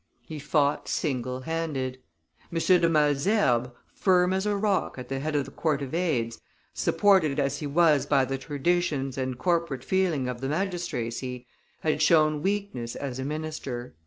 He fought single handed. M. de Malesherbes, firm as a rock at the head of the Court of Aids, supported as he was by the traditions and corporate feeling of the magistracy, had shown weakness as a minister.